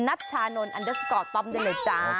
ัชชานนท์อันเดอร์สกอร์ต้อมได้เลยจ้า